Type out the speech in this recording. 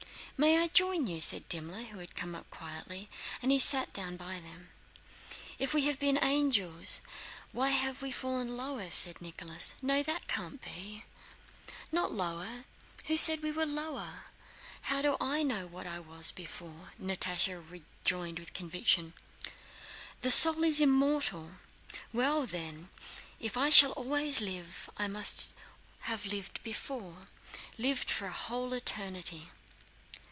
"May I join you?" said Dimmler who had come up quietly, and he sat down by them. "If we have been angels, why have we fallen lower?" said Nicholas. "No, that can't be!" "Not lower, who said we were lower?... How do I know what I was before?" Natásha rejoined with conviction. "The soul is immortal—well then, if I shall always live I must have lived before, lived for a whole eternity."